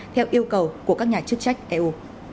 theo yêu cầu của các nhà chức trách eu